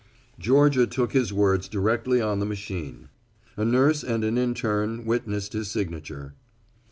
Georgia took his words directly on the machine. A nurse and an interne witnessed his signature.